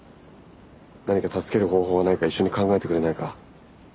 何か助ける方法はないか一緒に考えてくれないか？